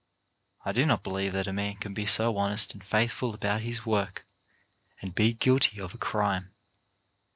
I do not believe that a man can be so honest and faithful about his work and be guilty of a crime.